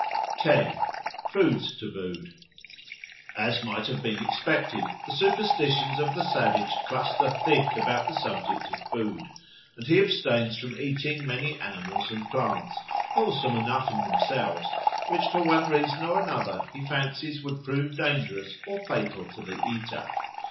10. Foods tabooed AS MIGHT have been expected, the superstitions of the savage cluster thick about the subject of food; and he abstains from eating many animals and plants, wholesome enough in themselves, which for one reason or another he fancies would prove dangerous or fatal to the eater.